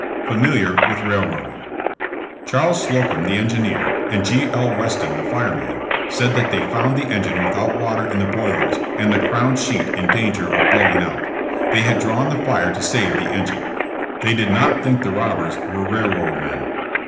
FAMILIAR WITH RAILROADING. Charles Slocum, the engineer, and G. L. Weston, the fireman, said that they found the engine without water in the boilers and the crown sheet in danger of blowing out. They had drawn the fire to save the engine. They did not think the robbers were railroad men.